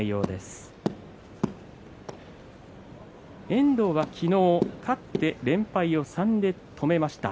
遠藤は昨日、勝って連敗を３で止めました。